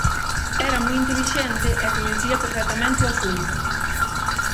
Era moi intelixente e coñecía perfectamente o asunto.